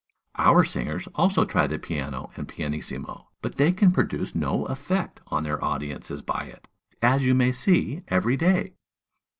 "Our singers also try the piano and pianissimo; but they can produce no effect on their audiences by it, as you may see every day."